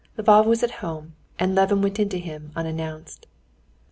Lvov was at home, and Levin went in to him unannounced.